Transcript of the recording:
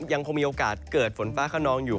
ยังคงมีโอกาสเกิดฝนฟ้าขนองอยู่